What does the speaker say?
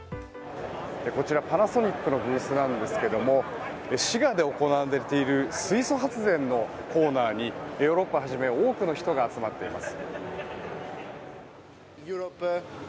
こちら、パナソニックのブースなんですけども滋賀で行われている水素発電のコーナーにヨーロッパをはじめ多くの人が集まっています。